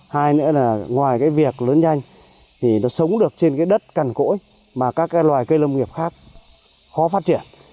hai nữa là ngoài việc lớn nhanh nó sống được trên đất cằn cỗi mà các loài cây lông nghiệp khác khó phát triển